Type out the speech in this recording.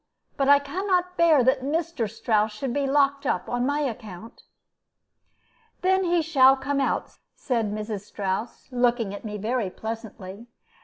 But I can not bear that Mr. Strouss should be locked up on my account." "Then he shall come out," said Mrs. Strouss, looking at me very pleasantly.